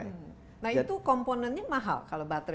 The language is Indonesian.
nah itu komponennya mahal kalau baterai